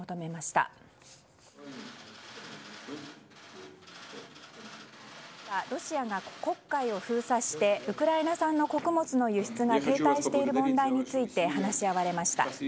会談ではロシアが黒海を封鎖してウクライナ産の穀物の輸出を停滞している問題について話し合われました。